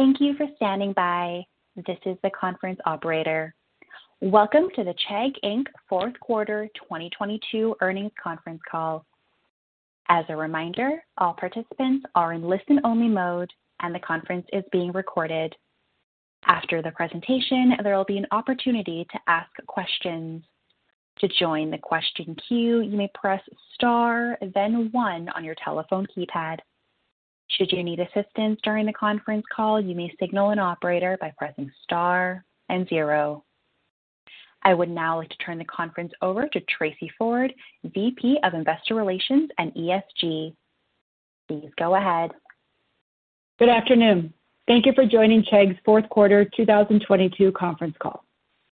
Thank you for standing by. This is the conference operator. Welcome to the Chegg Inc's Fourth Quarter 2022 Earnings Conference Call. As a reminder, all participants are in listen-only mode, and the conference is being recorded. After the presentation, there will be an opportunity to ask questions. To join the question queue, you may press star then one on your telephone keypad. Should you need assistance during the conference call, you may signal an operator by pressing star and zero. I would now like to turn the conference over to Tracey Ford, VP of Investor Relations and ESG. Please go ahead. Good afternoon. Thank you for joining Chegg's Fourth Quarter 2022 Conference Call.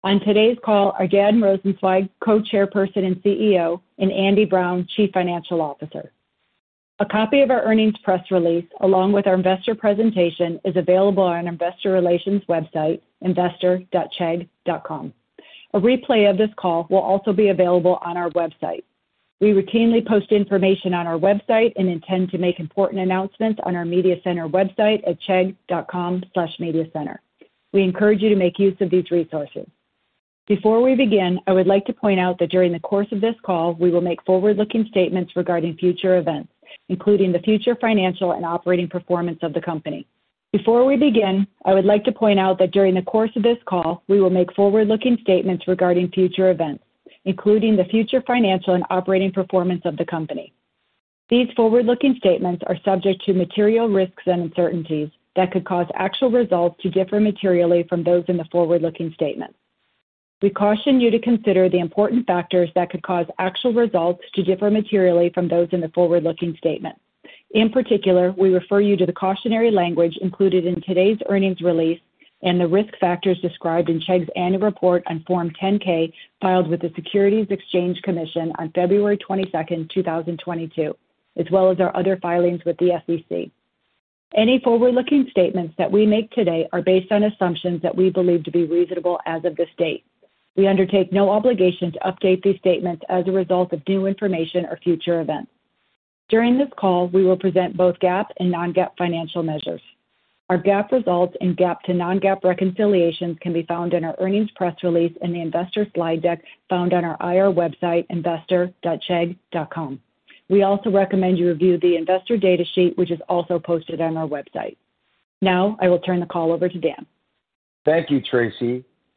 On today's call are Dan Rosensweig, Co-chairperson and CEO, and Andy Brown, Chief Financial Officer. A copy of our earnings press release, along with our investor presentation, is available on our Investor Relations website, investor.chegg.com. A replay of this call will also be available on our website. We routinely post information on our website and intend to make important announcements on our Media Center website at chegg.com/mediacenter. We encourage you to make use of these resources. Before we begin, I would like to point out that during the course of this call, we will make forward-looking statements regarding future events, including the future financial and operating performance of the company. Before we begin, I would like to point out that during the course of this call, we will make forward-looking statements regarding future events, including the future financial and operating performance of the company. These forward-looking statements are subject to material risks and uncertainties that could cause actual results to differ materially from those in the forward-looking statements. We caution you to consider the important factors that could cause actual results to differ materially from those in the forward-looking statement. In particular, we refer you to the cautionary language included in today's earnings release and the risk factors described in Chegg's annual report on Form 10-K filed with the Securities and Exchange Commission on February 22nd, 2022, as well as our other filings with the SEC. Any forward-looking statements that we make today are based on assumptions that we believe to be reasonable as of this date. We undertake no obligation to update these statements as a result of new information or future events. During this call, we will present both GAAP and non-GAAP financial measures. Our GAAP results and GAAP to non-GAAP reconciliations can be found in our earnings press release in the investor slide deck found on our IR website, investor.chegg.com. We also recommend you review the investor data sheet, which is also posted on our website. I will turn the call over to Dan. Thank you,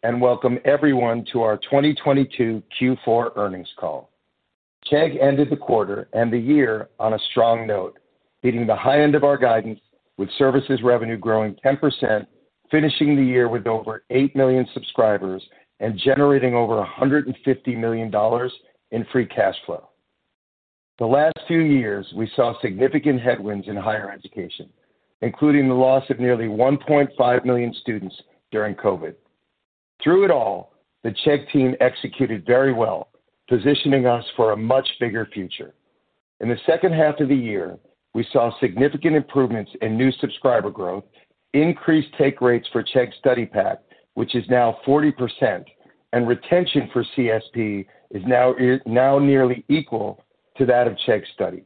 Tracey. Welcome everyone to our 2022 Q4 earnings call. Chegg ended the quarter and the year on a strong note, beating the high end of our guidance with services revenue growing 10%, finishing the year with over 8 million subscribers and generating over $150 million in free cash flow. The last few years, we saw significant headwinds in higher education, including the loss of nearly 1.5 million students during COVID. Through it all, the Chegg team executed very well, positioning us for a much bigger future. In the second half of the year, we saw significant improvements in new subscriber growth, increased take rates for Chegg Study Pack, which is now 40%, and retention for CSP is now nearly equal to that of Chegg Study.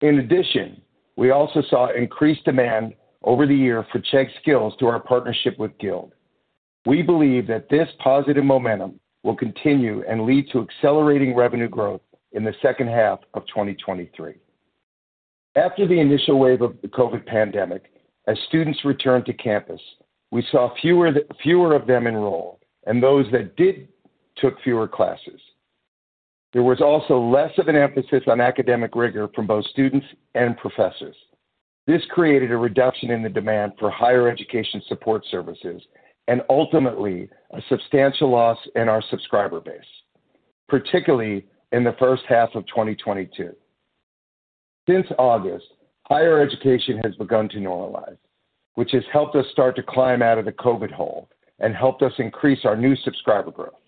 In addition, we also saw increased demand over the year for Chegg Skills through our partnership with Guild. We believe that this positive momentum will continue and lead to accelerating revenue growth in the second half of 2023. After the initial wave of the COVID pandemic, as students returned to campus, we saw fewer of them enroll, and those that did took fewer classes. There was also less of an emphasis on academic rigor from both students and professors. This created a reduction in the demand for higher education support services and ultimately a substantial loss in our subscriber base, particularly in the first half of 2022. Since August, higher education has begun to normalize, which has helped us start to climb out of the COVID hole and helped us increase our new subscriber growth.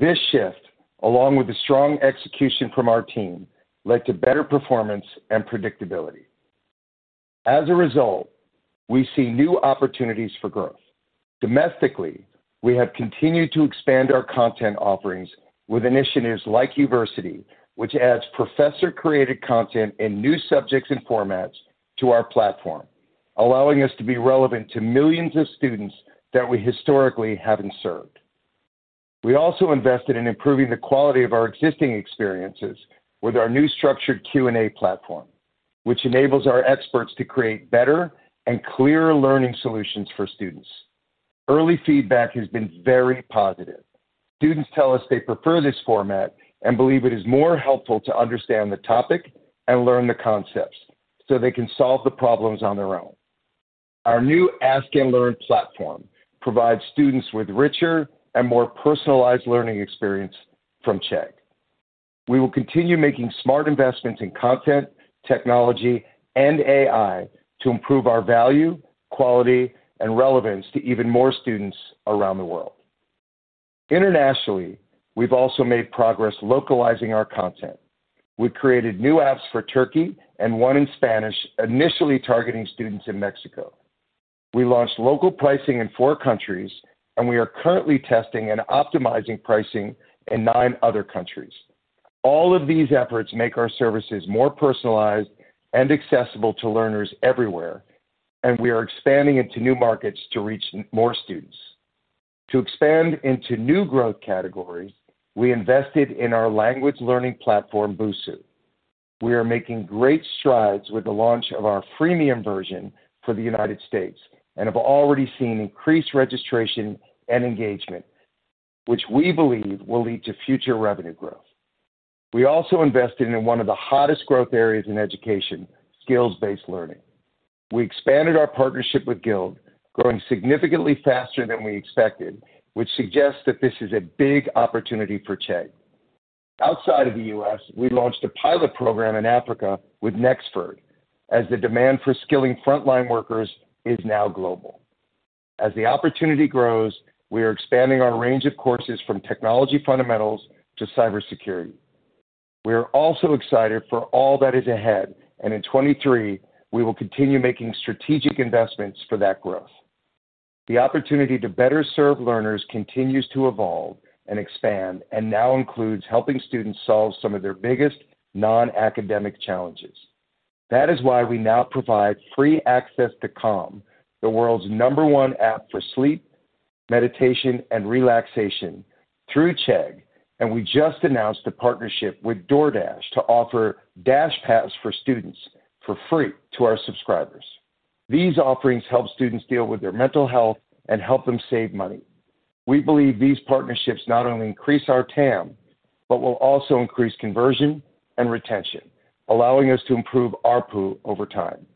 This shift, along with the strong execution from our team, led to better performance and predictability. We see new opportunities for growth. Domestically, we have continued to expand our content offerings with initiatives like Uversity, which adds professor-created content in new subjects and formats to our platform, allowing us to be relevant to millions of students that we historically haven't served. We also invested in improving the quality of our existing experiences with our new structured Q&A platform, which enables our experts to create better and clearer learning solutions for students. Early feedback has been very positive. Students tell us they prefer this format and believe it is more helpful to understand the topic and learn the concepts so they can solve the problems on their own. Our new Ask and Learn platform provides students with richer and more personalized learning experience from Chegg. We will continue making smart investments in content, technology, and AI to improve our value, quality, and relevance to even more students around the world. Internationally, we've also made progress localizing our content. We created new apps for Turkey and one in Spanish, initially targeting students in Mexico. We launched local pricing in four countries, and we are currently testing and optimizing pricing in nine other countries. All of these efforts make our services more personalized and accessible to learners everywhere, and we are expanding into new markets to reach more students. To expand into new growth categories, we invested in our language learning platform, Busuu. We are making great strides with the launch of our freemium version for the United States and have already seen increased registration and engagement, which we believe will lead to future revenue growth. We also invested in one of the hottest growth areas in education, skills-based learning. We expanded our partnership with Guild, growing significantly faster than we expected, which suggests that this is a big opportunity for Chegg. Outside of the U.S., we launched a pilot program in Africa with Nexford as the demand for skilling frontline workers is now global. As the opportunity grows, we are expanding our range of courses from technology fundamentals to cybersecurity. We are also excited for all that is ahead, and in 2023, we will continue making strategic investments for that growth. The opportunity to better serve learners continues to evolve and expand and now includes helping students solve some of their biggest non-academic challenges. That is why we now provide free access to Calm, the world's number one app for sleep, meditation, and relaxation through Chegg, and we just announced a partnership with DoorDash to offer DashPass for students for free to our subscribers. These offerings help students deal with their mental health and help them save money. We believe these partnerships not only increase our TAM, but will also increase conversion and retention, allowing us to improve ARPU over time.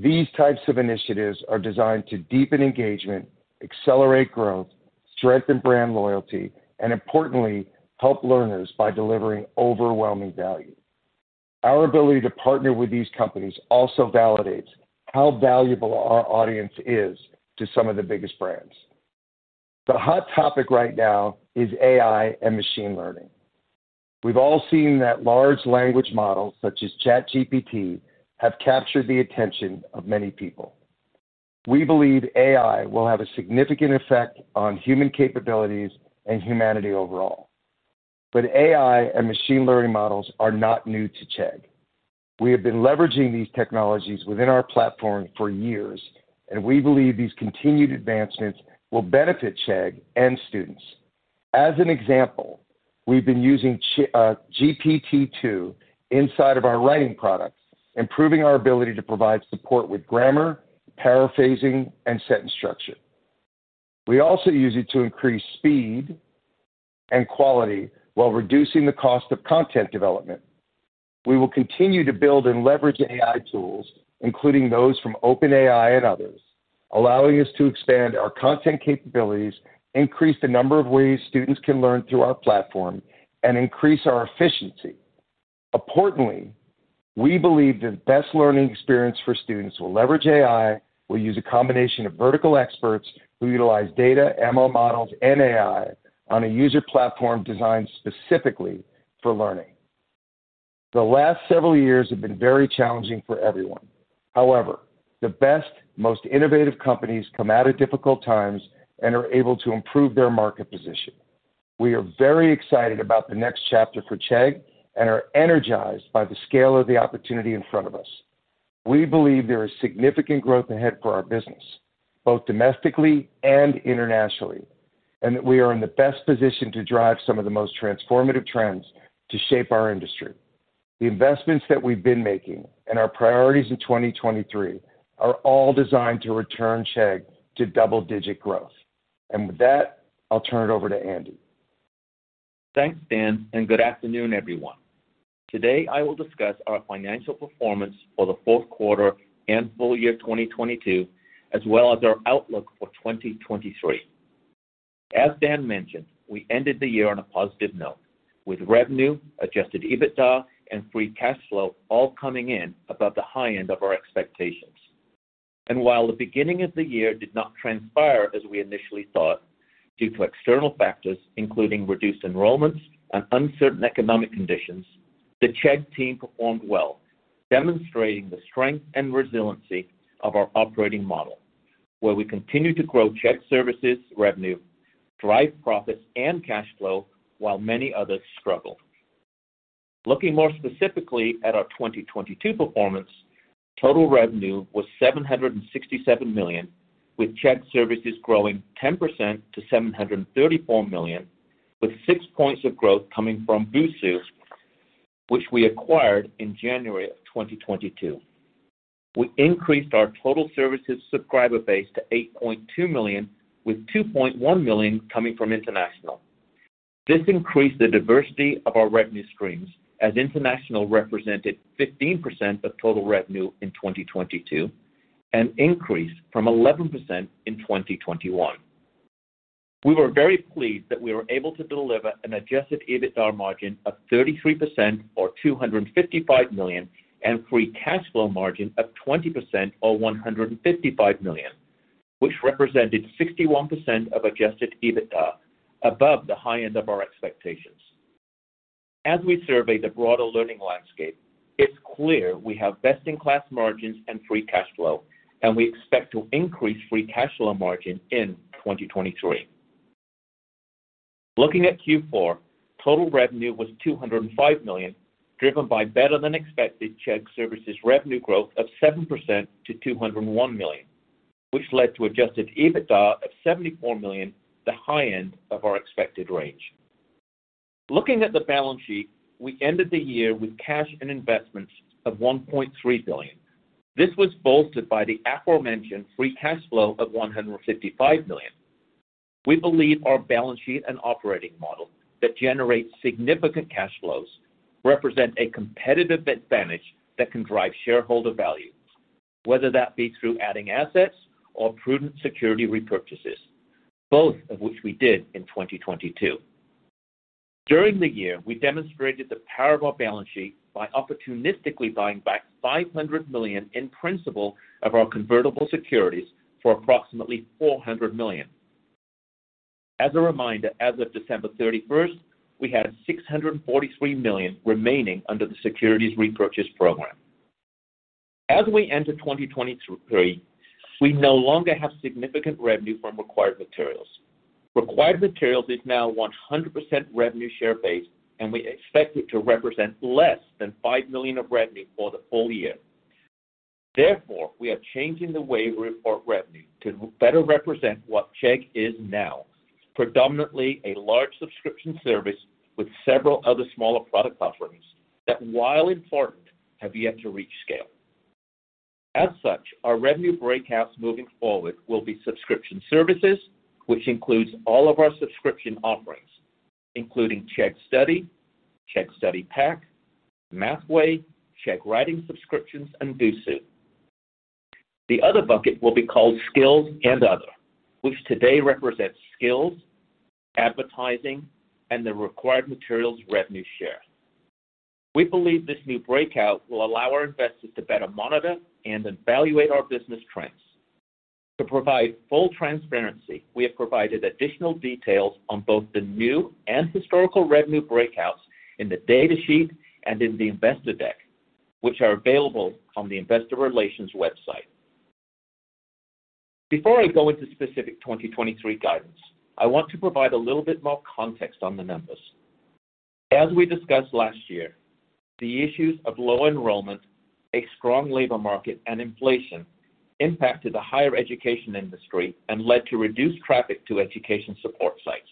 These types of initiatives are designed to deepen engagement, accelerate growth, strengthen brand loyalty, and importantly, help learners by delivering overwhelming value. Our ability to partner with these companies also validates how valuable our audience is to some of the biggest brands. The hot topic right now is AI and machine learning. We've all seen that large language models, such as ChatGPT, have captured the attention of many people. We believe AI will have a significant effect on human capabilities and humanity overall. AI and machine learning models are not new to Chegg. We have been leveraging these technologies within our platform for years, and we believe these continued advancements will benefit Chegg and students. As an example, we've been using GPT-2 inside of our writing products, improving our ability to provide support with grammar, paraphrasing, and sentence structure. We also use it to increase speed and quality while reducing the cost of content development. We will continue to build and leverage AI tools, including those from OpenAI and others, allowing us to expand our content capabilities, increase the number of ways students can learn through our platform, and increase our efficiency. Importantly, we believe the best learning experience for students will leverage AI, will use a combination of vertical experts who utilize data, ML models, and AI on a user platform designed specifically for learning. The last several years have been very challenging for everyone. However, the best, most innovative companies come out of difficult times and are able to improve their market position. We are very excited about the next chapter for Chegg and are energized by the scale of the opportunity in front of us. We believe there is significant growth ahead for our business, both domestically and internationally, and that we are in the best position to drive some of the most transformative trends to shape our industry. The investments that we've been making and our priorities in 2023 are all designed to return Chegg to double-digit growth. With that, I'll turn it over to Andy. Thanks, Dan. Good afternoon, everyone. Today, I will discuss our financial performance for the fourth quarter and full year 2022, as well as our outlook for 2023. As Dan mentioned, we ended the year on a positive note, with revenue, adjusted EBITDA, and free cash flow all coming in above the high end of our expectations. While the beginning of the year did not transpire as we initially thought due to external factors, including reduced enrollments and uncertain economic conditions, the Chegg team performed well, demonstrating the strength and resiliency of our operating model, where we continued to grow Chegg Services revenue, drive profits and cash flow while many others struggled. Looking more specifically at our 2022 performance, total revenue was $767 million, with Chegg Services growing 10% to $734 million, with six points of growth coming from Busuu, which we acquired in January 2022. We increased our total services subscriber base to 8.2 million, with 2.1 million coming from international. This increased the diversity of our revenue streams as international represented 15% of total revenue in 2022, an increase from 11% in 2021. We were very pleased that we were able to deliver an Adjusted EBITDA margin of 33% or $255 million, free cash flow margin of 20% or $155 million, which represented 61% of adjusted EBITDA above the high end of our expectations. As we survey the broader learning landscape. It's clear we have best-in-class margins and free cash flow, and we expect to increase free cash flow margin in 2023. Looking at Q4, total revenue was $205 million, driven by better-than-expected Chegg Services revenue growth of 7% to $201 million, which led to adjusted EBITDA of $74 million, the high end of our expected range. Looking at the balance sheet, we ended the year with cash and investments of $1.3 billion. This was bolted by the aforementioned free cash flow of $155 million. We believe our balance sheet and operating model that generates significant cash flows represent a competitive advantage that can drive shareholder value, whether that be through adding assets or prudent security repurchases, both of which we did in 2022. During the year, we demonstrated the power of our balance sheet by opportunistically buying back $500 million in principle of our convertible securities for approximately $400 million. As a reminder, as of December 31st, we had $643 million remaining under the securities repurchase program. As we enter 2023, we no longer have significant revenue from Required Materials. Required Materials is now 100% revenue share based, and we expect it to represent less than $5 million of revenue for the full year. Therefore, we are changing the way we report revenue to better represent what Chegg is now, predominantly a large subscription service with several other smaller product offerings that, while important, have yet to reach scale. Our revenue breakouts moving forward will be Subscription Services, which includes all of our subscription offerings, including Chegg Study, Chegg Study Pack, Mathway, Chegg Writing subscriptions, and Busuu. The other bucket will be called Skills and Other, which today represents skills, advertising, and the required materials revenue share. We believe this new breakout will allow our investors to better monitor and evaluate our business trends. To provide full transparency, we have provided additional details on both the new and historical revenue breakouts in the data sheet and in the investor deck, which are available on the investor relations website. Before I go into specific 2023 guidance, I want to provide a little bit more context on the numbers. As we discussed last year, the issues of low enrollment, a strong labor market, and inflation impacted the higher education industry and led to reduced traffic to education support sites.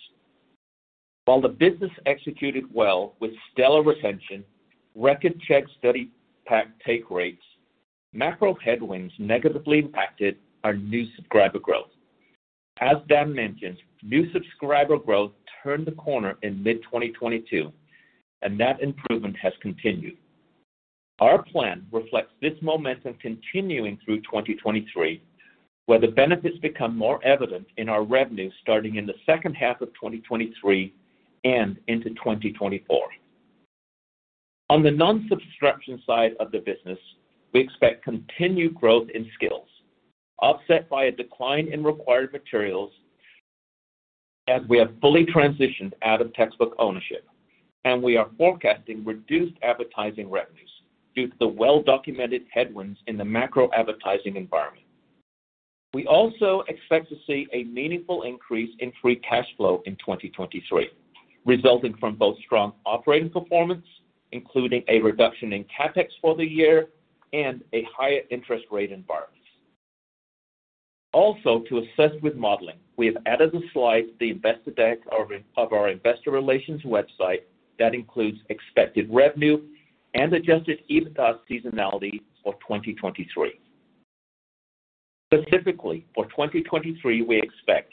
While the business executed well with stellar retention, record Chegg Study Pack take rates, macro headwinds negatively impacted our new subscriber growth. As Dan mentioned, new subscriber growth turned the corner in mid-2022. That improvement has continued. Our plan reflects this momentum continuing through 2023, where the benefits become more evident in our revenue starting in the second half of 2023 and into 2024. On the non-subscription side of the business, we expect continued growth in Chegg Skills, offset by a decline in required materials as we have fully transitioned out of textbook ownership. We are forecasting reduced advertising revenues due to the well-documented headwinds in the macro advertising environment. We also expect to see a meaningful increase in free cash flow in 2023, resulting from both strong operating performance, including a reduction in CapEx for the year and a higher interest rate environment. Also, to assist with modeling, we have added a slide to the investor deck of our investor relations website that includes expected revenue and adjusted EBITDA seasonality for 2023. Specifically, for 2023, we expect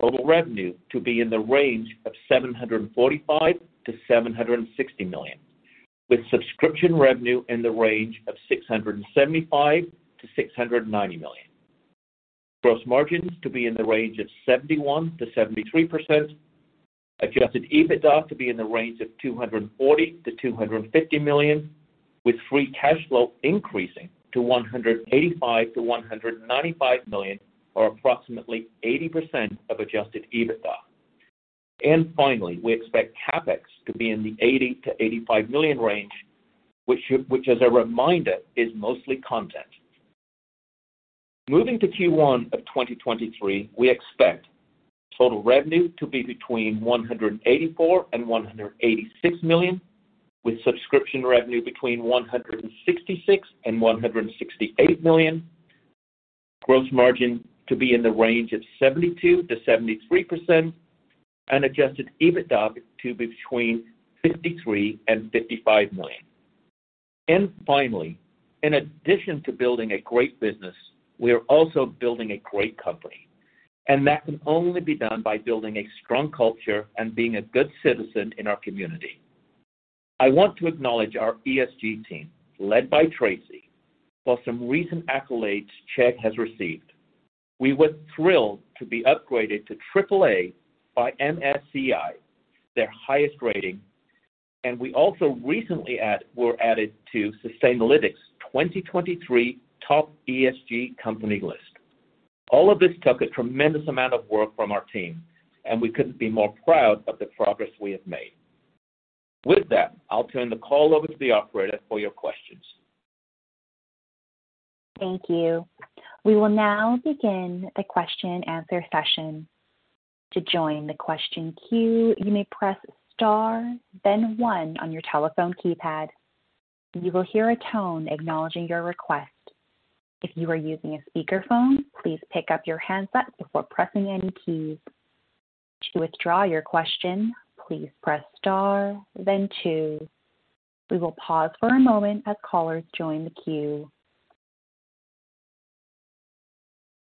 total revenue to be in the range of $745 million-$760 million, with subscription revenue in the range of $675 million-$690 million. Gross margins to be in the range of 71%-73%. Adjusted EBITDA to be in the range of $240 million-$250 million, with free cash flow increasing to $185 million-$195 million, or approximately 80% of adjusted EBITDA. Finally, we expect CapEx to be in the $80 million-$85 million range, which as a reminder, is mostly content. Moving to Q1 of 2023, we expect total revenue to be betwean $184 million and $186 million, with subscription revenue between $166 million and $168 million. Gross margin to be in the range of 72%-73%, Adjusted EBITDA to between $53 million and $55 million. Finally, in addition to building a great business, we are also building a great company, and that can only be done by building a strong culture and being a good citizen in our community. I want to acknowledge our ESG team, led by Tracey, for some recent accolades Chegg has received. We were thrilled to be upgraded to AAA by MSCI, their highest rating, and we also recently were added to Sustainalytics 2023 Top ESG Company list. All of this took a tremendous amount of work from our team, and we couldn't be more proud of the progress we have made. With that, I'll turn the call over to the operator for your questions. Thank you. We will now begin the question-answer session. To join the question queue, you may press star then one on your telephone keypad. You will hear a tone acknowledging your request. If you are using a speakerphone, please pick up your handset before pressing any keys. To withdraw your question, please press star then two. We will pause for a moment as callers join the queue.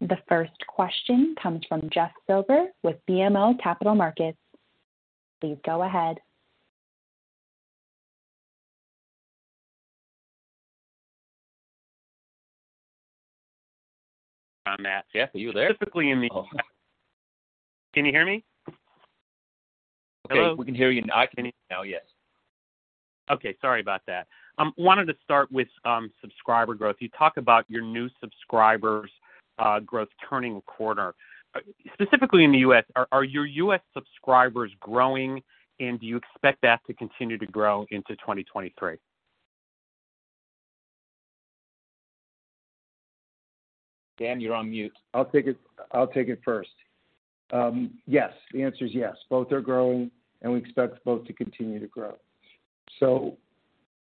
The first question comes from Jeff Silber with BMO Capital Markets. Please go ahead. On that. Jeff, are you there? Specifically. Oh. Can you hear me? Hello? Okay. We can hear you now. Can you? Yes. Okay. Sorry about that. wanted to start with subscriber growth. You talked about your new subscribers, growth turning a corner. specifically in the U.S., are your U.S. subscribers growing, and do you expect that to continue to grow into 2023? Dan, you're on mute. I'll take it first. Yes. The answer is yes. Both are growing, and we expect both to continue to grow.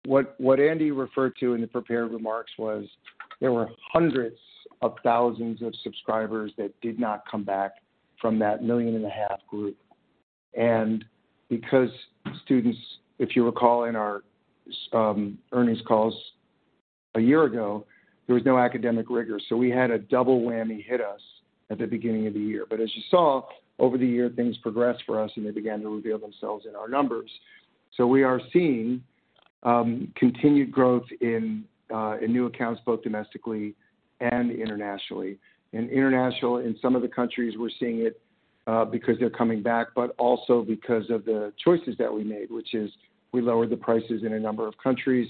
What Andy referred to in the prepared remarks was there were hundreds of thousands of subscribers that did not come back from that 1.5 million group. Because students... If you recall in our earnings calls a year ago, there was no academic rigor. We had a double whammy hit us at the beginning of the year. As you saw, over the year, things progressed for us, and they began to reveal themselves in our numbers. We are seeing continued growth in new accounts both domestically and internationally. In international, in some of the countries, we're seeing it, because they're coming back, but also because of the choices that we made, which is we lowered the prices in a number of countries,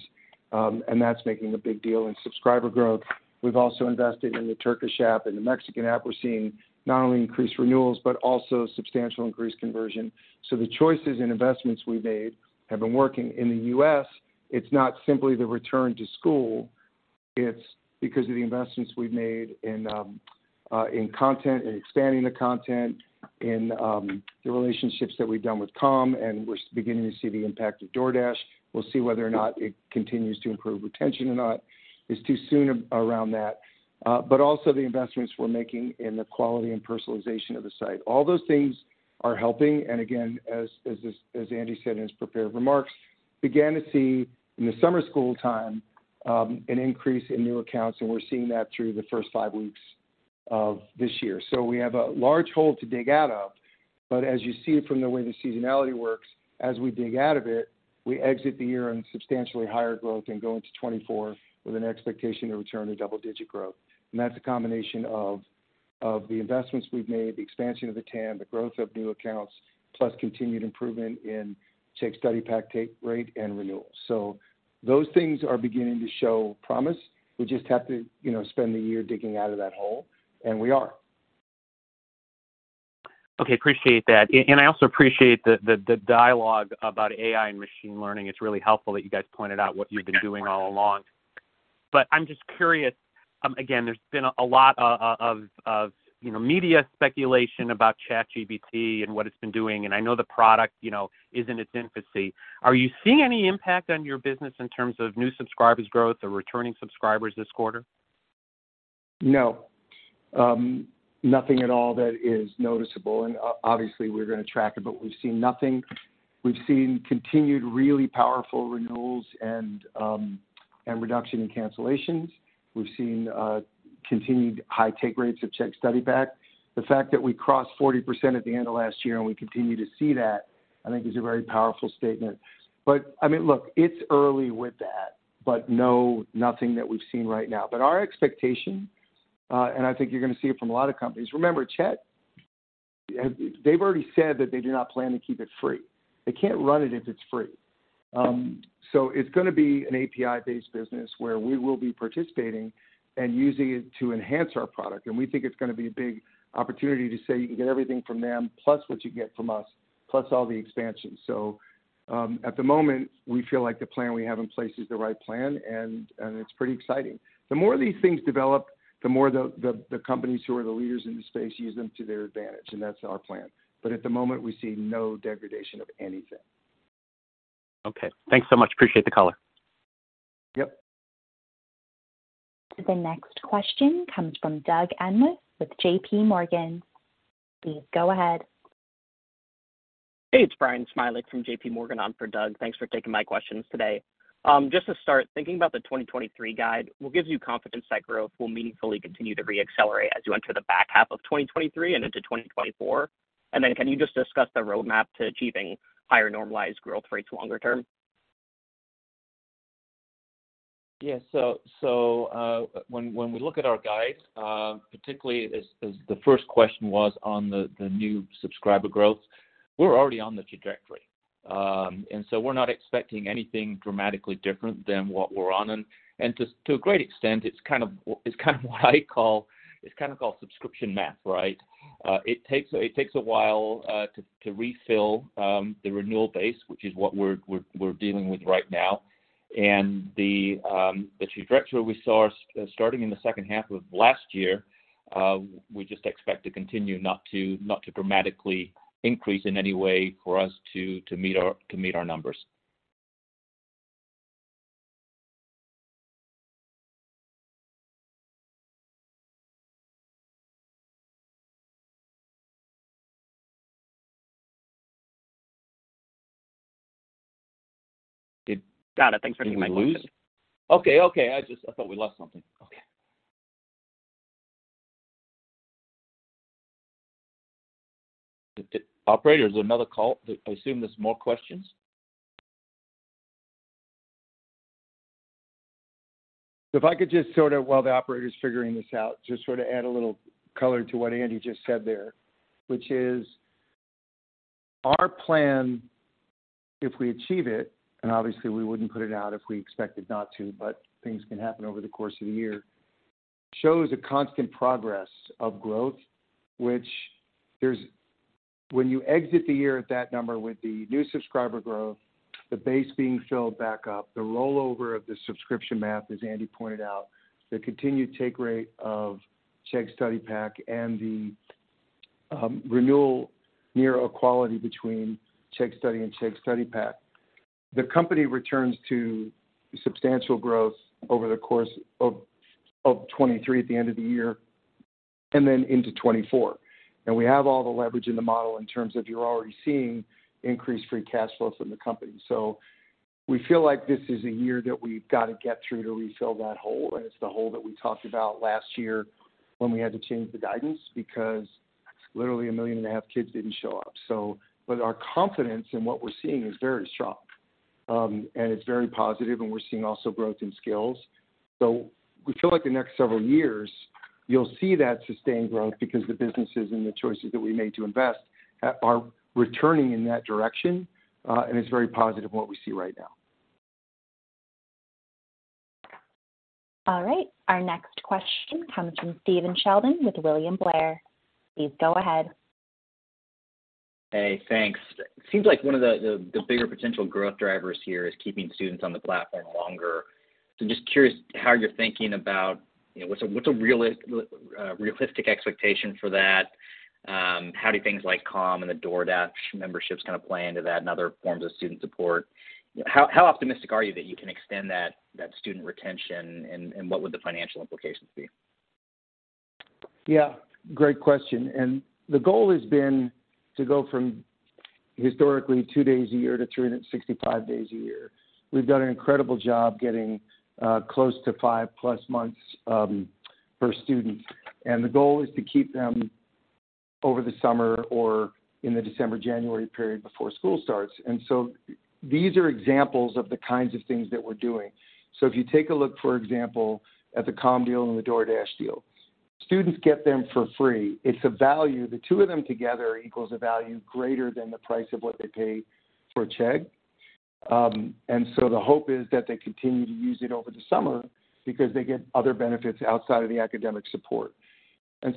and that's making a big deal in subscriber growth. We've also invested in the Turkish app and the Mexican app. We're seeing not only increased renewals, but also substantial increased conversion. The choices and investments we made have been working. In the U.S., it's not simply the return to school, it's because of the investments we've made in content and expanding the content, in the relationships that we've done with Calm, and we're beginning to see the impact of DoorDash. We'll see whether or not it continues to improve retention or not. It's too soon around that. Also the investments we're making in the quality and personalization of the site. All those things are helping. Again, as Andy said in his prepared remarks, began to see in the summer school time, an increase in new accounts, and we're seeing that through the first five weeks of this year. We have a large hole to dig out of, but as you see it from the way the seasonality works, as we dig out of it, we exit the year in substantially higher growth and go into 2024 with an expectation to return to double-digit growth. That's a combination of the investments we've made, the expansion of the TAM, the growth of new accounts, plus continued improvement in Chegg Study Pack take rate and renewals. Those things are beginning to show promise. We just have to, you know, spend the year digging out of that hole, and we are. Okay. Appreciate that. I also appreciate the dialogue about AI and machine learning. It's really helpful that you guys pointed out what you've been doing all along. I'm just curious, again, there's been a lot of, you know, media speculation about ChatGPT and what it's been doing, and I know the product, you know, is in its infancy. Are you seeing any impact on your business in terms of new subscribers growth or returning subscribers this quarter? No. Nothing at all that is noticeable. Obviously, we're gonna track it, but we've seen nothing. We've seen continued really powerful renewals and reduction in cancellations. We've seen continued high take rates of Chegg Study Pack. The fact that we crossed 40% at the end of last year and we continue to see that, I think is a very powerful statement. I mean, look, it's early with that, but no, nothing that we've seen right now. Our expectation, and I think you're gonna see it from a lot of companies.. Remember, Chat, they've already said that they do not plan to keep it free. They can't run it if it's free. It's gonna be an API-based business where we will be participating and using it to enhance our product. We think it's gonna be a big opportunity to say you can get everything from them, plus what you get from us, plus all the expansions. At the moment, we feel like the plan we have in place is the right plan, and it's pretty exciting. The more these things develop, the more the companies who are the leaders in this space use them to their advantage, and that's our plan. At the moment, we see no degradation of anything. Okay. Thanks so much. Appreciate the color. Yep. The next question comes from Doug Anmuth with JP Morgan. Please go ahead. Hey, it's Bryan Smilek from JPMorgan on for Doug. Thanks for taking my questions today. Just to start, thinking about the 2023 guide, what gives you confidence that growth will meaningfully continue to re-accelerate as you enter the back half of 2023 and into 2024? Can you just discuss the roadmap to achieving higher normalized growth rates longer term? Yeah. When we look at our guides, particularly as the first question was on the new subscriber growth, we're already on the trajectory. We're not expecting anything dramatically different than what we're on. To a great extent, it's kind of what I call it's kind of called subscription math, right? It takes a while to refill the renewal base, which is what we're dealing with right now. The trajectory we saw starting in the second half of last year, we just expect to continue not to dramatically increase in any way for us to meet our numbers. Got it. Thanks for taking my question. Did we lose... Okay. Okay. I thought we lost something. Okay. Operator, is there another call? I assume there's more questions. If I could just sort of, while the operator's figuring this out, just sort of add a little color to what Andy just said there, which is our plan, if we achieve it, and obviously we wouldn't put it out if we expected not to, but things can happen over the course of the year, shows a constant progress of growth, when you exit the year at that number with the new subscriber growth, the base being filled back up, the rollover of the subscription math, as Andy pointed out, the continued take rate of Chegg Study Pack and the renewal near equality between Chegg Study and Chegg Study Pack. The company returns to substantial growth over the course of 2023 at the end of the year and then into 2024. We have all the leverage in the model in terms of you're already seeing increased free cash flows from the company. We feel like this is a year that we've gotta get through to refill that hole, and it's the hole that we talked about last year when we had to change the guidance because literally a million and a half kids didn't show up. Our confidence in what we're seeing is very strong, and it's very positive, and we're seeing also growth in skills. We feel like the next several years you'll see that sustained growth because the businesses and the choices that we made to invest are returning in that direction, and it's very positive what we see right now. All right. Our next question comes from Stephen Sheldon with William Blair. Please go ahead. Hey, thanks. Seems like one of the bigger potential growth drivers here is keeping students on the platform longer. Just curious how you're thinking about, you know, what's a realistic expectation for that? How do things like Calm and the DoorDash memberships kind of play into that and other forms of student support? How optimistic are you that you can extend that student retention, and what would the financial implications be? Yeah, great question. The goal has been to go from historically two days a year to 365 days a year. We've done an incredible job getting close to 5+ months per student, and the goal is to keep them over the summer or in the December-January period before school starts. These are examples of the kinds of things that we're doing. If you take a look, for example, at the Calm deal and the DoorDash deal, students get them for free. It's a value. The two of them together equals a value greater than the price of what they pay for Chegg. The hope is that they continue to use it over the summer because they get other benefits outside of the academic support.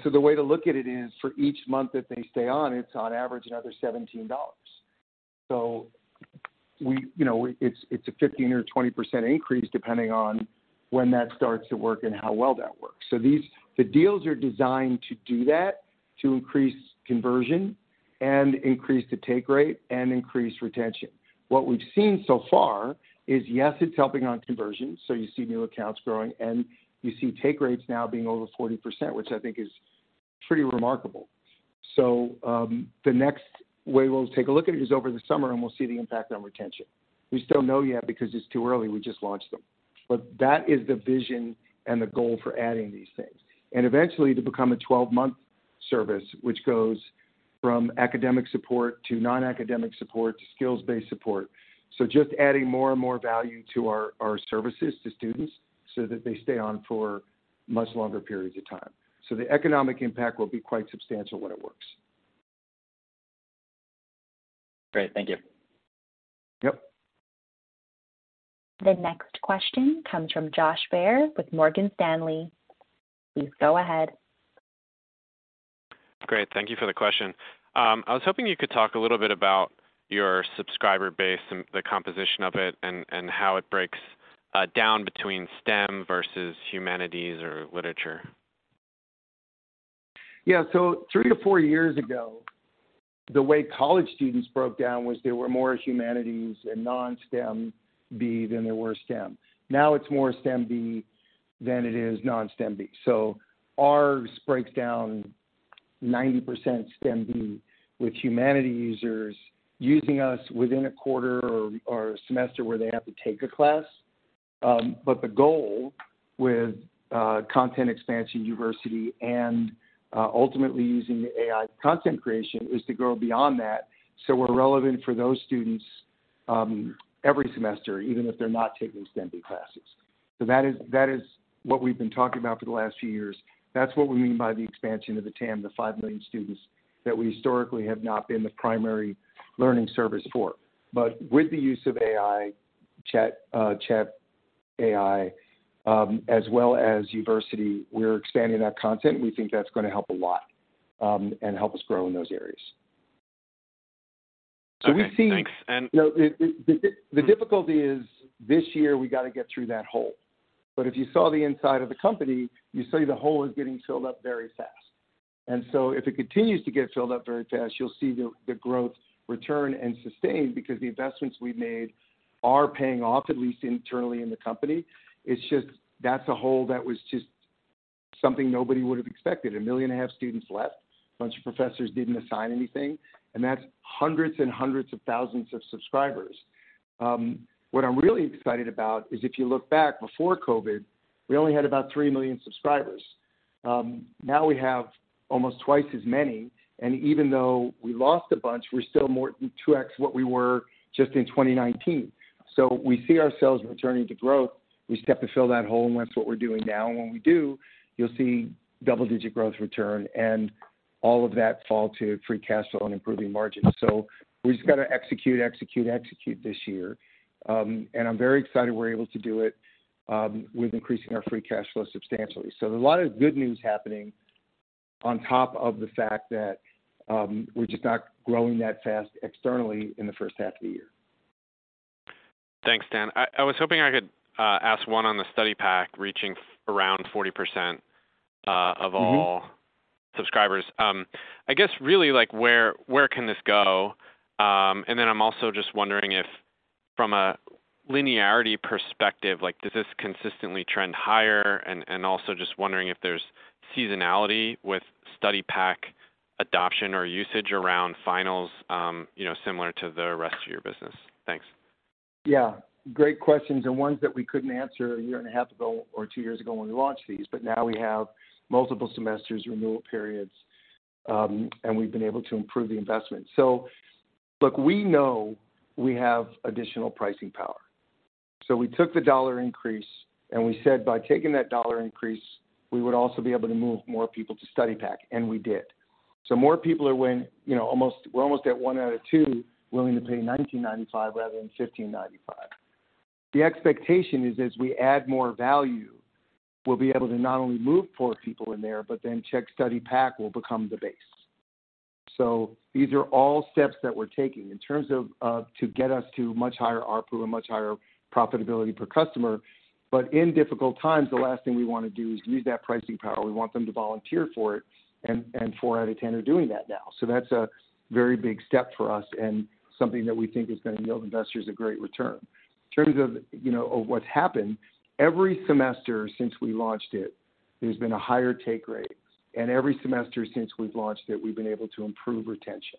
The way to look at it is for each month that they stay on, it's on average another $17. you know, it's a 15% or 20% increase depending on when that starts to work and how well that works. The deals are designed to do that, to increase conversion and increase the take rate and increase retention. What we've seen so far is, yes, it's helping on conversion, so you see new accounts growing, and you see take rates now being over 40%, which I think is pretty remarkable. The next way we'll take a look at it is over the summer, and we'll see the impact on retention. We still know yet because it's too early. We just launched them. That is the vision and the goal for adding these things. Eventually to become a 12-month service, which goes from academic support to non-academic support to skills-based support. Just adding more and more value to our services to students so that they stay on for much longer periods of time. The economic impact will be quite substantial when it works. Great. Thank you. Yep. The next question comes from Josh Baer with Morgan Stanley. Please go ahead. Great. Thank you for the question. I was hoping you could talk a little bit about your subscriber base and the composition of it and how it breaks down between STEM versus humanities or literature. Yeah. Three to four years ago, the way college students broke down was there were more humanities and non-STEM B than there were STEM. Now it's more STEM B than it is non-STEM B. Ours breaks down 90% STEM B with humanity users using us within a quarter or a semester where they have to take a class. The goal with content expansion Uversity and ultimately using the AI content creation is to go beyond that so we're relevant for those students every semester, even if they're not taking STEM classes. That is what we've been talking about for the last few years. That's what we mean by the expansion of the TAM, the 5 million students that we historically have not been the primary learning service for. With the use of AI, Chat AI, as well as Uversity, we're expanding that content. We think that's gonna help a lot and help us grow in those areas. Okay, thanks. You know, the difficulty is this year, we gotta get through that hole. If you saw the inside of the company, you say the hole is getting filled up very fast. If it continues to get filled up very fast, you'll see the growth return and sustain because the investments we've made are paying off, at least internally in the company. It's just that's a hole that was just something nobody would have expected. 1.5 million students left, a bunch of professors didn't assign anything, and that's hundreds of thousands of subscribers. What I'm really excited about is if you look back before COVID, we only had about 3 million subscribers. Now we have almost twice as many, even though we lost a bunch, we're still 2x what we were just in 2019. We see ourselves returning to growth. We just have to fill that hole, and that's what we're doing now. When we do, you'll see double-digit growth return and all of that fall to free cash flow and improving margins. We just gotta execute, execute this year. And I'm very excited we're able to do it, with increasing our free cash flow substantially. A lot of good news happening on top of the fact that, we're just not growing that fast externally in the first half of the year. Thanks, Dan. I was hoping I could ask one on the Study Pack reaching around 40% of all subscribers. I guess really, like, where can this go? Then I'm also just wondering if from a linearity perspective, like, does this consistently trend higher? Also just wondering if there's seasonality with study pack adoption or usage around finals, you know, similar to the rest of your business. Thanks. Yeah. Great questions and ones that we couldn't answer a year and a half ago or two years ago when we launched these. Now we have multiple semesters, renewal periods, and we've been able to improve the investment. Look, we know we have additional pricing power. We took the dollar increase, and we said by taking that dollar increase, we would also be able to move more people to Chegg Study Pack, and we did. More people are when, you know, we're almost at one out of two willing to pay $19.95 rather than $15.95. The expectation is as we add more value, we'll be able to not only move poor people in there, Chegg Study Pack will become the base. These are all steps that we're taking in terms of to get us to much higher ARPU and much higher profitability per customer. In difficult times, the last thing we wanna do is use that pricing power. We want them to volunteer for it, and four out of 10 are doing that now. That's a very big step for us and something that we think is gonna yield investors a great return. In terms of, you know, what's happened, every semester since we launched it, there's been a higher take rate. Every semester since we've launched it, we've been able to improve retention.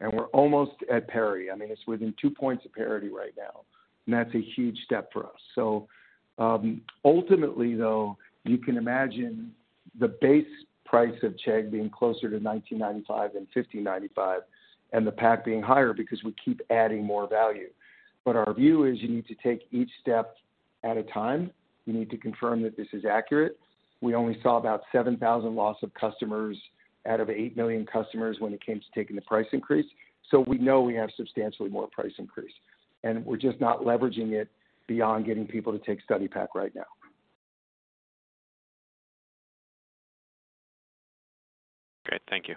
We're almost at parity. I mean, it's within 2 points of parity right now, and that's a huge step for us. Ultimately, though, you can imagine the base price of Chegg being closer to $19.95 than $15.95 and the pack being higher because we keep adding more value. Our view is you need to take each step at a time. You need to confirm that this is accurate. We only saw about 7,000 loss of customers out of 8 million customers when it came to taking the price increase. We know we have substantially more price increase, and we're just not leveraging it beyond getting people to take Study Pack right now. Great. Thank you.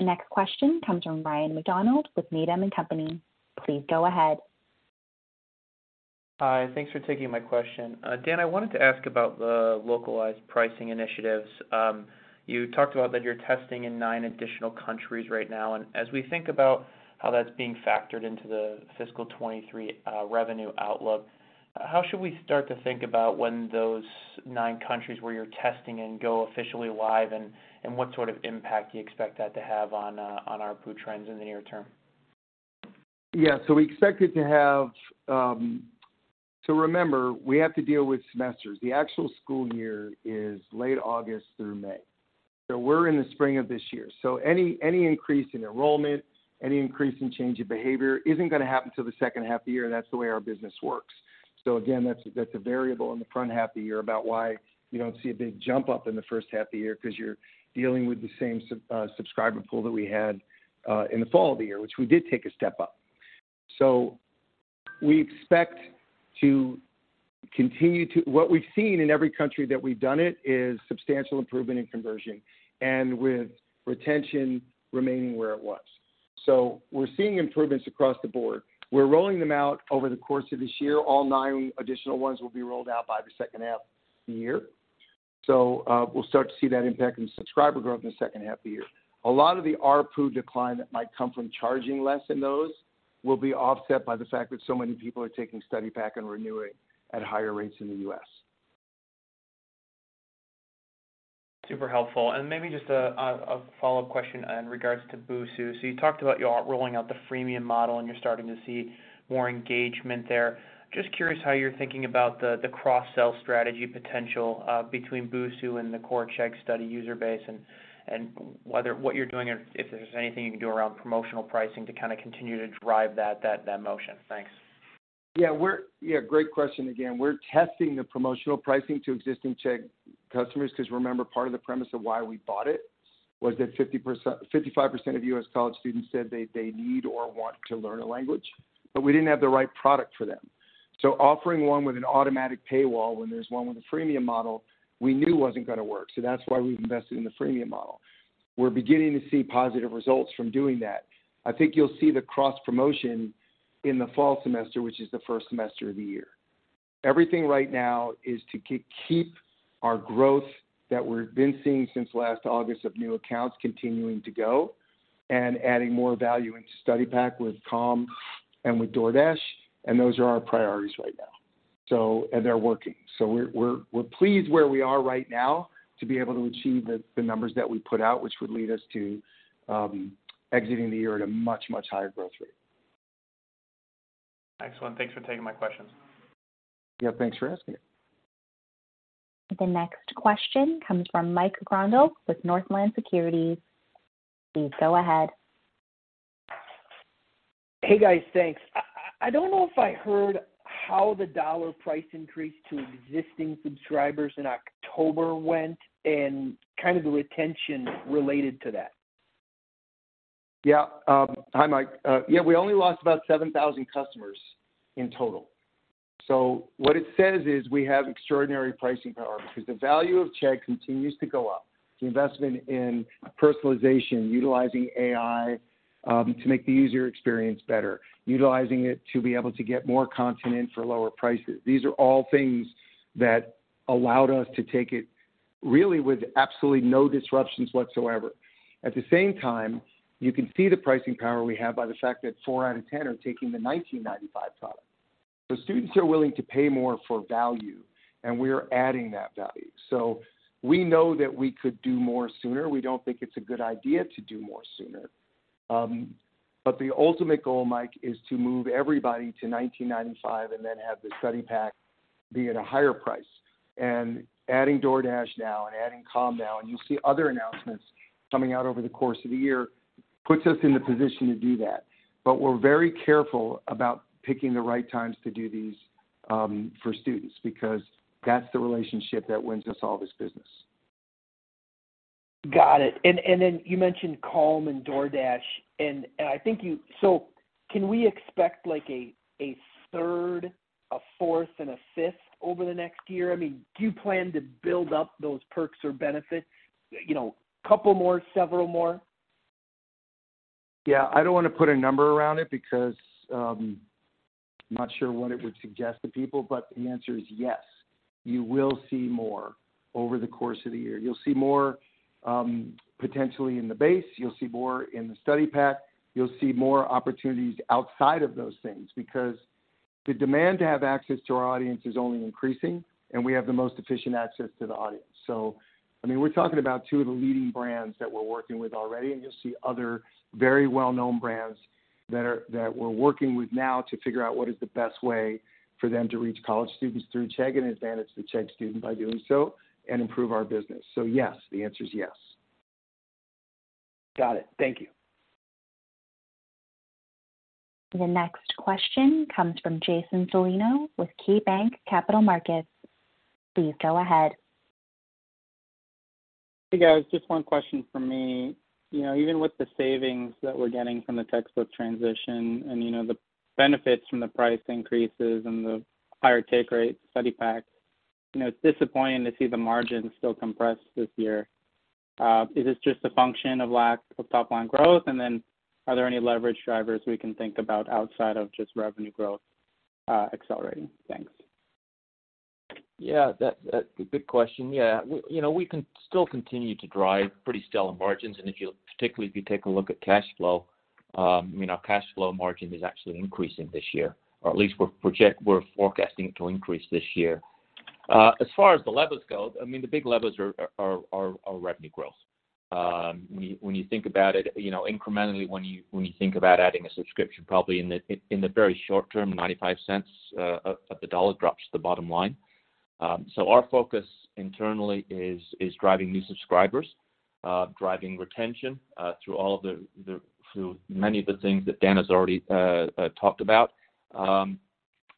Next question comes from Ryan MacDonald with Needham & Company. Please go ahead. Hi. Thanks for taking my question. Dan, I wanted to ask about the localized pricing initiatives. You talked about that you're testing in nine additional countries right now. As we think about how that's being factored into the fiscal 2023 revenue outlook, how should we start to think about when those nine countries where you're testing and go officially live and what sort of impact you expect that to have on ARPU trends in the near term? Yeah. We expect it to have. Remember, we have to deal with semesters. The actual school year is late August through May. We're in the spring of this year. Any increase in enrollment, any increase in change in behavior isn't gonna happen till the second half of the year. That's the way our business works. Again, that's a variable in the front half of the year about why you don't see a big jump up in the first half of the year 'cause you're dealing with the same subscriber pool that we had in the fall of the year, which we did take a step up. We expect to continue. What we've seen in every country that we've done it is substantial improvement in conversion and with retention remaining where it was. We're seeing improvements across the board. We're rolling them out over the course of this year. All nine additional ones will be rolled out by the second half of the year. We'll start to see that impact in subscriber growth in the second half of the year. A lot of the ARPU decline that might come from charging less in those will be offset by the fact that so many people are taking Study Pack and renewing at higher rates in the U.S. Super helpful. Maybe just a follow-up question in regards to Busuu. You talked about you are rolling out the freemium model, and you're starting to see more engagement there. Just curious how you're thinking about the cross-sell strategy potential between Busuu and the core Chegg Study user base and whether what you're doing or if there's anything you can do around promotional pricing to kinda continue to drive that motion. Thanks. Yeah, great question again. We're testing the promotional pricing to existing Chegg customers because remember part of the premise of why we bought it was that 50%-55% of U.S. college students said they need or want to learn a language. We didn't have the right product for them. Offering one with an automatic paywall when there's one with a freemium model, we knew wasn't going to work. That's why we've invested in the freemium model. We're beginning to see positive results from doing that. I think you'll see the cross-promotion in the fall semester, which is the first semester of the year. Everything right now is to keep our growth that we've been seeing since last August of new accounts continuing to go and adding more value in Study Pack with Calm and with DoorDash. Those are our priorities right now. They're working. We're pleased where we are right now to be able to achieve the numbers that we put out, which would lead us to exiting the year at a much, much higher growth rate. Excellent. Thanks for taking my questions. Yeah, thanks for asking. The next question comes from Mike Grondahl with Northland Securities. Please go ahead. Hey, guys. Thanks. I don't know if I heard how the dollar price increase to existing subscribers in October went and kind of the retention related to that? Hi, Mike. We only lost about 7,000 customers in total. What it says is we have extraordinary pricing power because the value of Chegg continues to go up. The investment in personalization, utilizing AI to make the user experience better, utilizing it to be able to get more content in for lower prices. These are all things that allowed us to take it really with absolutely no disruptions whatsoever. At the same time, you can see the pricing power we have by the fact that four out of 10 are taking the $19.95 product. The students are willing to pay more for value, and we're adding that value. We know that we could do more sooner. We don't think it's a good idea to do more sooner. The ultimate goal, Mike, is to move everybody to $19.95 and then have the Study Pack be at a higher price. Adding DoorDash now and adding Calm now, and you'll see other announcements coming out over the course of the year, puts us in the position to do that. We're very careful about picking the right times to do these for students because that's the relationship that wins us all this business. Got it. Then you mentioned Calm and DoorDash. Can we expect like a third, a fourth, and a fifth over the next year? I mean, do you plan to build up those perks or benefits, you know, couple more, several more? Yeah. I don't wanna put a number around it because not sure what it would suggest to people, but the answer is yes. You will see more over the course of the year. You'll see more, potentially in the base. You'll see more in the Study Pack. You'll see more opportunities outside of those things because the demand to have access to our audience is only increasing, and we have the most efficient access to the audience. I mean, we're talking about two of the leading brands that we're working with already, and you'll see other very well-known brands that we're working with now to figure out what is the best way for them to reach college students through Chegg and advantage the Chegg student by doing so and improve our business. Yes, the answer is yes. Got it. Thank you. The next question comes from Jason Celino with KeyBanc Capital Markets. Please go ahead. Hey, guys. Just one question from me. You know, even with the savings that we're getting from the textbook transition and, you know, the benefits from the price increases and the higher take rate Study Pack, you know, it's disappointing to see the margins still compress this year. Is this just a function of lack of top-line growth? Are there any leverage drivers we can think about outside of just revenue growth accelerating? Thanks. Good question. You know, we can still continue to drive pretty stellar margins, and particularly if you take a look at cash flow, I mean, our cash flow margin is actually increasing this year, or at least we're forecasting it to increase this year. As far as the levers go, I mean, the big levers are revenue growth. When you, when you think about it, you know, incrementally when you, when you think about adding a subscription, probably in the very short term, $0.95 of the dollar drops to the bottom line. Our focus internally is driving new subscribers, driving retention, through all of the through many of the things that Dan has already talked about.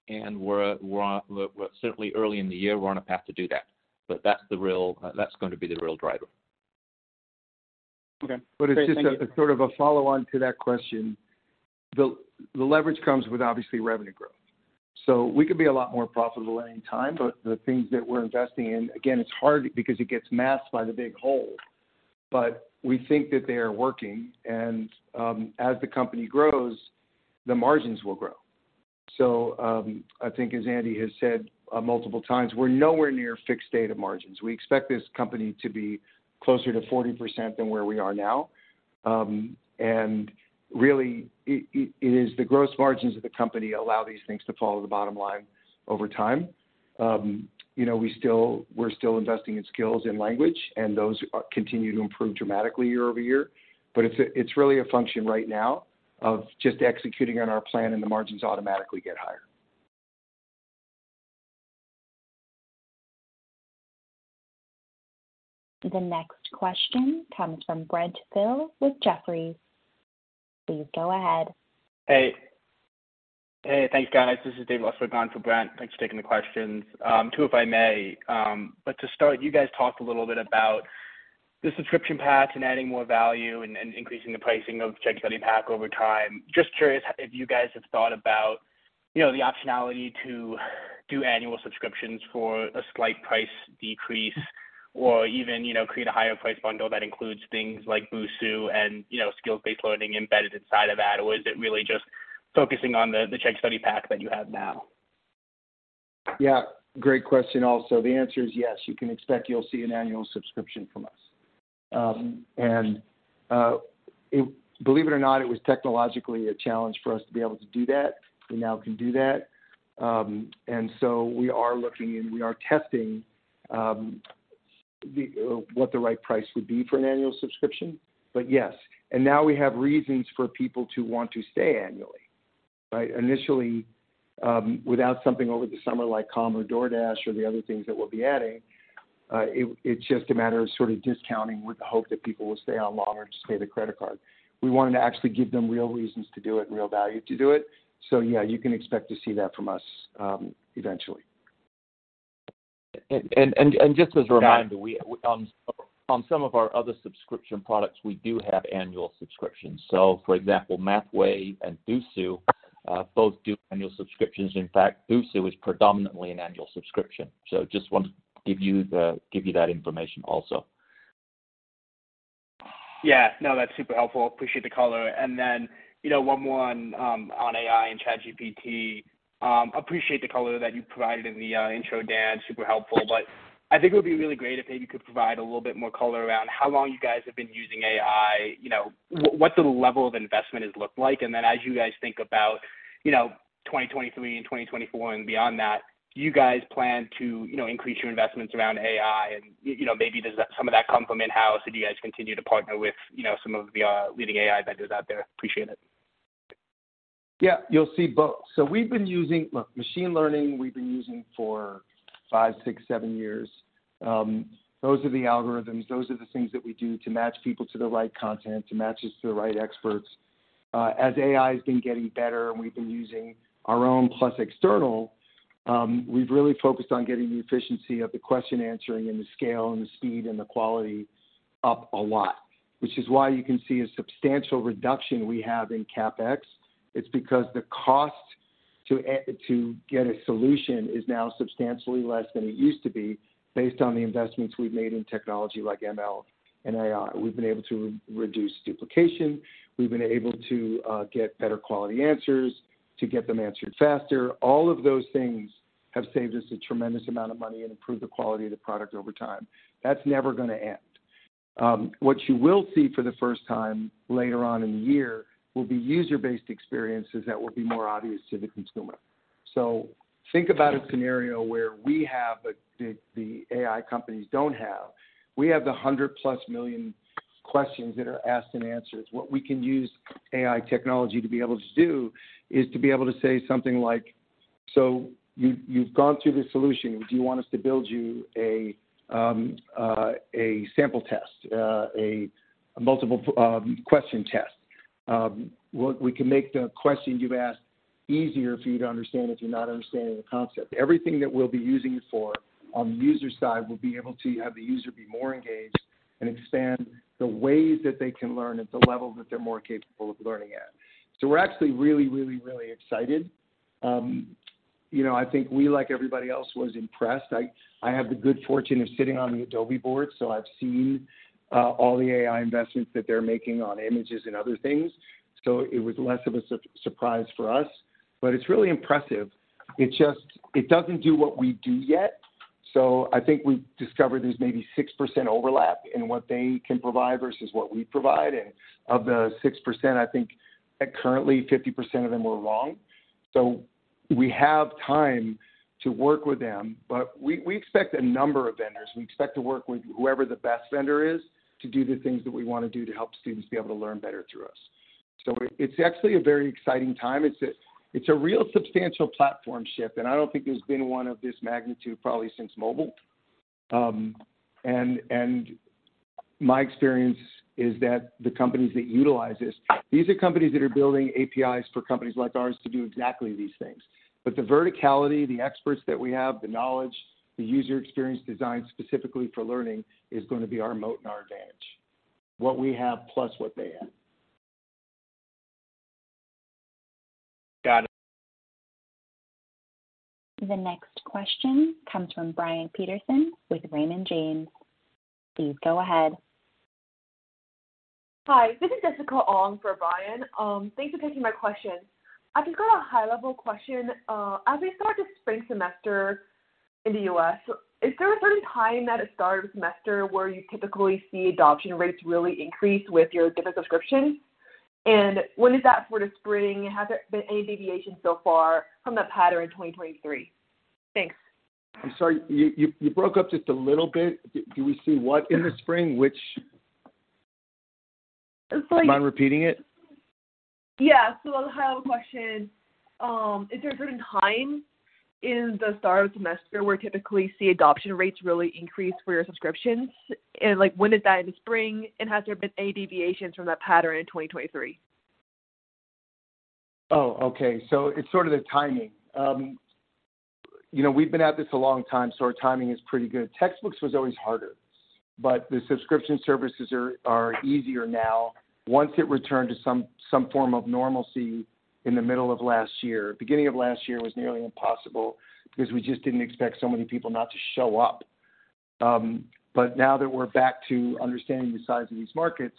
We're certainly early in the year, we're on a path to do that. That's going to be the real driver. Okay. Great. Thank you. It's just a, sort of a follow-on to that question. The leverage comes with obviously revenue growth. We could be a lot more profitable at any time, the things that we're investing in, again, it's hard because it gets masked by the big hold. We think that they are working, and as the company grows, the margins will grow. I think as Andy has said multiple times, we're nowhere near fixed data margins. We expect this company to be closer to 40% than where we are now. And really, it is the gross margins of the company allow these things to fall to the bottom line over time. you know, we're still investing in skills and language, and those continue to improve dramatically year-over-year. It's really a function right now of just executing on our plan, and the margins automatically get higher. The next question comes from Brent Thill with Jefferies. Please go ahead. Hey. Hey, thanks, guys. This is David Lustberg, gone for Brent. Thanks for taking the questions. Two, if I may. To start, you guys talked a little bit about the subscription path and adding more value and increasing the pricing of Chegg Study Pack over time. Just curious if you guys have thought about, you know, the optionality to do annual subscriptions for a slight price decrease or even, you know, create a higher price bundle that includes things like Busuu and, you know, skills-based learning embedded inside of that. Is it really just focusing on the Chegg Study Pack that you have now? Yeah, great question also. The answer is yes. You can expect you'll see an annual subscription from us. Believe it or not, it was technologically a challenge for us to be able to do that. We now can do that. We are looking and we are testing, what the right price would be for an annual subscription. Yes. Now we have reasons for people to want to stay annually, right? Initially, without something over the summer like Calm or DoorDash or the other things that we'll be adding, it's just a matter of sort of discounting with the hope that people will stay on longer to save the credit card. We wanted to actually give them real reasons to do it and real value to do it. Yeah, you can expect to see that from us, eventually. Just as a reminder, on some of our other subscription products, we do have annual subscriptions. For example, Mathway and Busuu both do annual subscriptions. In fact, Busuu is predominantly an annual subscription. Just wanted to give you that information also. Yeah. No, that's super helpful. Appreciate the color. Then, you know, one more on AI and ChatGPT. Appreciate the color that you provided in the intro, Dan, super helpful. I think it would be really great if maybe you could provide a little bit more color around how long you guys have been using AI, you know, what the level of investment has looked like. Then as you guys think about, you know, 2023 and 2024 and beyond that, do you guys plan to, you know, increase your investments around AI? You know, maybe some of that come from in-house, or do you guys continue to partner with, you know, some of the leading AI vendors out there? Appreciate it. You'll see both. Machine learning we've been using for five, six, seven years. Those are the algorithms, those are the things that we do to match people to the right content, to match us to the right experts. As AI has been getting better, and we've been using our own plus external, we've really focused on getting the efficiency of the question answering and the scale and the speed and the quality up a lot. You can see a substantial reduction we have in CapEx. The cost to get a solution is now substantially less than it used to be based on the investments we've made in technology like ML and AI. We've been able to reduce duplication. We've been able to get better quality answers, to get them answered faster. All of those things have saved us a tremendous amount of money and improved the quality of the product over time. That's never gonna end. What you will see for the first time later on in the year will be user-based experiences that will be more obvious to the consumer. Think about a scenario where we have what the AI companies don't have. We have the 100+ million questions that are asked and answered. What we can use AI technology to be able to do is to be able to say something like, "You've gone through this solution. Do you want us to build you a sample test, a multiple question test?" We can make the questions you've asked easier for you to understand if you're not understanding the concept. Everything that we'll be using it for on the user side will be able to have the user be more engaged and expand the ways that they can learn at the level that they're more capable of learning at. We're actually really excited. You know, I think we, like everybody else, was impressed. I have the good fortune of sitting on the Adobe board, I've seen all the AI investments that they're making on images and other things. It was less of a surprise for us, it's really impressive. It doesn't do what we do yet. I think we've discovered there's maybe 6% overlap in what they can provide versus what we provide. Of the 6%, I think that currently 50% of them were wrong. We have time to work with them, but we expect a number of vendors. We expect to work with whoever the best vendor is to do the things that we wanna do to help students be able to learn better through us. It's actually a very exciting time. It's a real substantial platform shift, and I don't think there's been one of this magnitude probably since mobile. My experience is that the companies that utilize this, these are companies that are building APIs for companies like ours to do exactly these things. The verticality, the experts that we have, the knowledge, the user experience designed specifically for learning is gonna be our moat and our advantage. What we have plus what they have. Got it. The next question comes from Brian Peterson with Raymond James. Please go ahead. Hi, this is Jessica Ong for Brian. Thanks for taking my question. I just got a high-level question. As we start the spring semester In the U.S. Is there a certain time that it started semester where you typically see adoption rates really increase with your different subscriptions? When is that for the spring? Has there been any deviation so far from that pattern in 2023? Thanks. I'm sorry, you broke up just a little bit. Do we see what in the spring? It's like. Do you mind repeating it? Yeah. I have a question. Is there a certain time in the start of semester where typically see adoption rates really increase for your subscriptions? like, when is that in the spring, and has there been any deviations from that pattern in 2023? Oh, okay. It's sort of the timing. you know, we've been at this a long time, so our timing is pretty good. Textbooks was always harder, but the subscription services are easier now once it returned to some form of normalcy in the middle of last year. Beginning of last year was nearly impossible because we just didn't expect so many people not to show up. Now that we're back to understanding the size of these markets,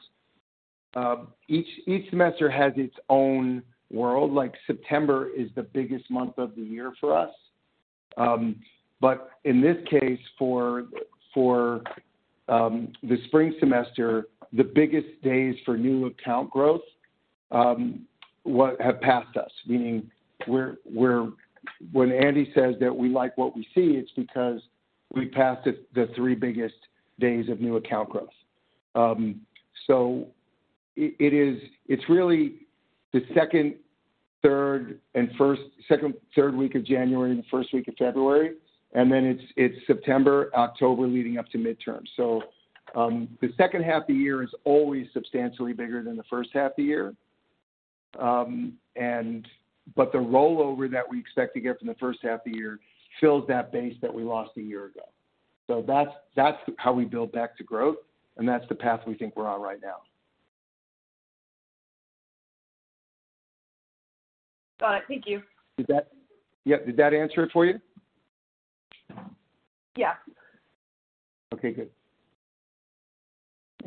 each semester has its own world. Like, September is the biggest month of the year for us. In this case, for the spring semester, the biggest days for new account growth, what have passed us, meaning we're... When Andy says that we like what we see, it's because we passed it the three biggest days of new account growth. It's really the second, third, and first, second, third week of January and the first week of February, and then it's September, October leading up to midterm. The second half of the year is always substantially bigger than the first half of the year. The rollover that we expect to get from the first half of the year fills that base that we lost a year ago. That's, that's how we build back to growth, and that's the path we think we're on right now. Got it. Thank you. Did that. Yep. Did that answer it for you? Yeah. Okay, good.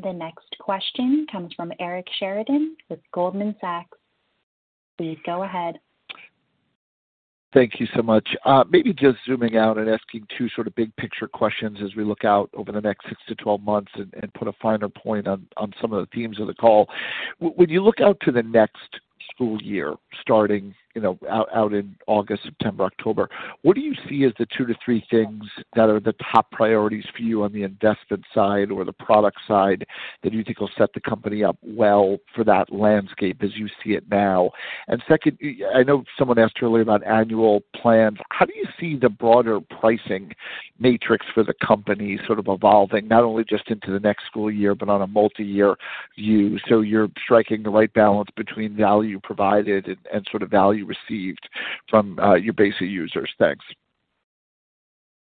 The next question comes from Eric Sheridan with Goldman Sachs. Please go ahead. Thank you so much. Maybe just zooming out and asking two sort of big picture questions as we look out over the next six to 12 months and put a finer point on some of the themes of the call. When you look out to the next school year, starting, you know, out in August, September, October, what do you see as the two to three things that are the top priorities for you on the investment side or the product side that you think will set the company up well for that landscape as you see it now? Second, I know someone asked earlier about annual plans. How do you see the broader pricing matrix for the company sort of evolving, not only just into the next school year, but on a multi-year view, so you're striking the right balance between value provided and sort of value received from your basic users? Thanks.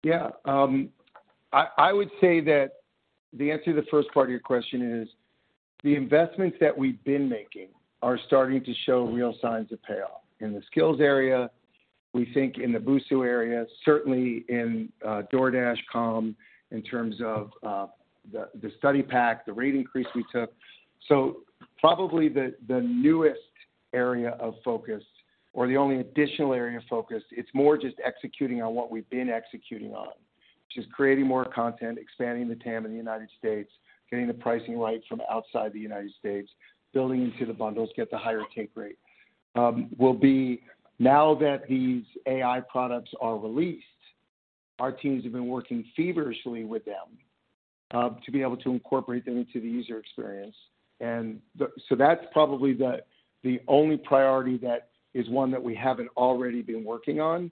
Yeah. I would say that the answer to the first part of your question is the investments that we've been making are starting to show real signs of payoff. In the Skills area, we think in the Busuu area, certainly in DoorDash, Calm in terms of the Chegg Study Pack, the rate increase we took. Probably the newest area of focus or the only additional area of focus, it's more just executing on what we've been executing on, which is creating more content, expanding the TAM in the United States, getting the pricing right from outside the United States, building into the bundles, get the higher take rate. We'll be now that these AI products are released, our teams have been working feverishly with them to be able to incorporate them into the user experience. That's probably the only priority that is one that we haven't already been working on,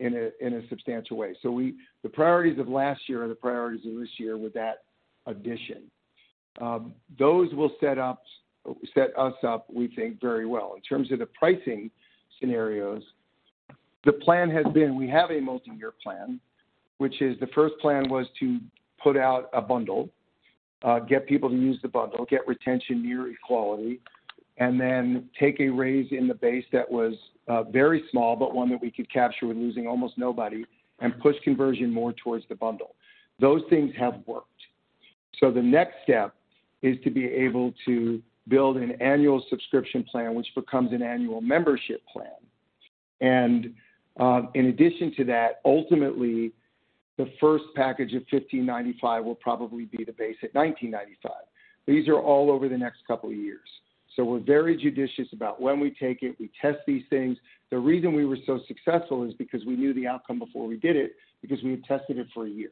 in a substantial way. The priorities of last year are the priorities of this year with that addition. Those will set up, set us up, we think, very well. In terms of the pricing scenarios, the plan has been we have a multi-year plan, which is the first plan was to put out a bundle, get people to use the bundle, get retention near equality, and then take a raise in the base that was very small, but one that we could capture with losing almost nobody and push conversion more towards the bundle. Those things have worked. The next step is to be able to build an annual subscription plan, which becomes an annual membership plan. In addition to that, ultimately, the first package of $15.95 will probably be the base at $19.95. These are all over the next couple of years. We're very judicious about when we take it. We test these things. The reason we were so successful is because we knew the outcome before we did it because we had tested it for a year.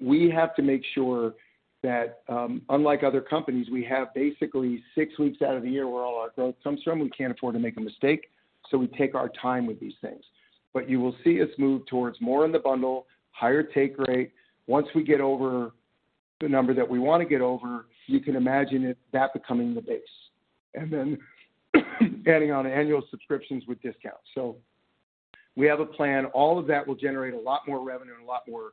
We have to make sure that, unlike other companies, we have basically six weeks out of the year where all our growth comes from. We can't afford to make a mistake, so we take our time with these things. You will see us move towards more in the bundle, higher take rate. Once we get over the number that we want to get over, you can imagine it that becoming the base. Adding on annual subscriptions with discounts. We have a plan. All of that will generate a lot more revenue and a lot more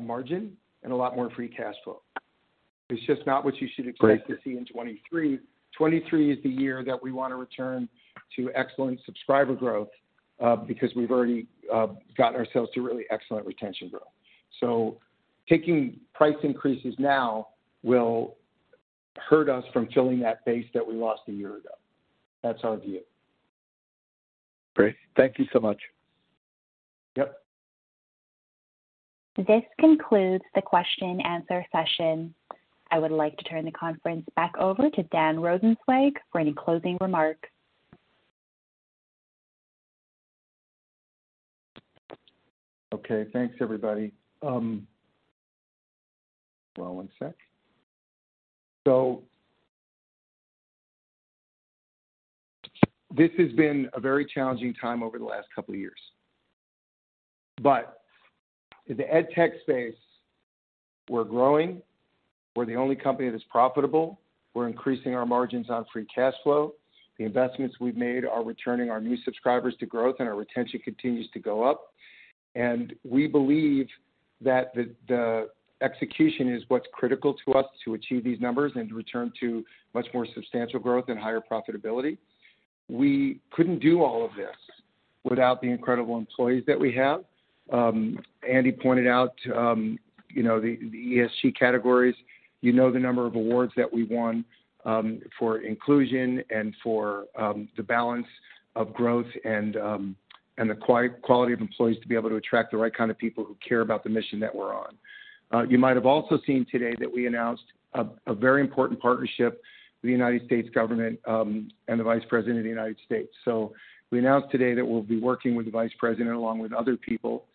margin and a lot more free cash flow. It's just not what you should expect to see in 2023. 2023 is the year that we wanna return to excellent subscriber growth because we've already gotten ourselves to really excellent retention growth. Taking price increases now will hurt us from filling that base that we lost a year ago. That's our view. Great. Thank you so much. Yep. This concludes the question-and-answer session. I would like to turn the conference back over to Dan Rosensweig for any closing remarks. Okay, thanks, everybody. Well, one sec. This has been a very challenging time over the last couple of years. In the ed tech space, we're growing. We're the only company that is profitable. We're increasing our margins on free cash flow. The investments we've made are returning our new subscribers to growth, and our retention continues to go up. We believe that the execution is what's critical to us to achieve these numbers and to return to much more substantial growth and higher profitability. We couldn't do all of this without the incredible employees that we have. Andy pointed out, you know, the ESG categories. You know the number of awards that we won for inclusion and for the balance of growth and the quality of employees to be able to attract the right kind of people who care about the mission that we're on. You might have also seen today that we announced a very important partnership with the United States government and the Vice President of the United States. We announced today that we'll be working with the Vice President along with other people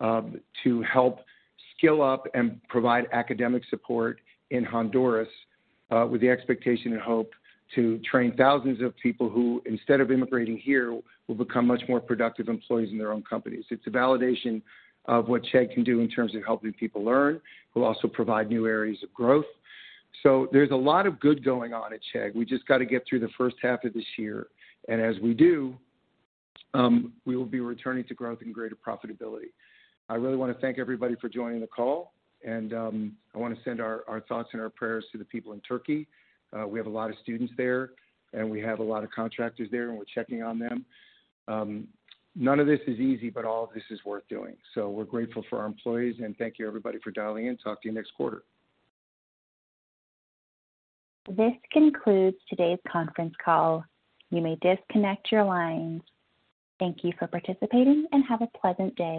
to help skill up and provide academic support in Honduras with the expectation and hope to train thousands of people who, instead of immigrating here, will become much more productive employees in their own companies. It's a validation of what Chegg can do in terms of helping people learn. We'll also provide new areas of growth. There's a lot of good going on at Chegg. We just gotta get through the first half of this year. As we do, we will be returning to growth and greater profitability. I really wanna thank everybody for joining the call. I wanna send our thoughts and our prayers to the people in Turkey. We have a lot of students there, and we have a lot of contractors there, and we're checking on them. None of this is easy, but all of this is worth doing. We're grateful for our employees, and thank you everybody for dialing in. Talk to you next quarter. This concludes today's conference call. You may disconnect your lines. Thank you for participating, and have a pleasant day.